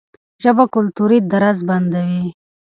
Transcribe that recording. ژبه کلتوري درز بندوي.